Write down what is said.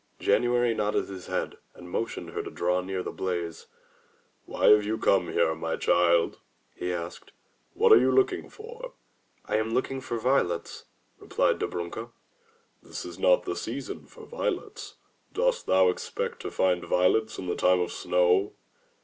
'* January nodded his head and motioned her to draw near the blaze. "Why have you come here, my child? he asked. "What are you looking for?" "I am looking for violets, replied Dobrunka. 146 THROUGH FAIRY HALLS "This is not the season for violets. Dost thou expect to find violets in the time of snow?